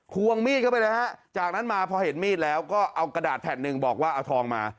วงมีดเข้าไปเลยฮะจากนั้นมาพอเห็นมีดแล้วก็เอากระดาษแผ่นหนึ่งบอกว่าเอาทองมา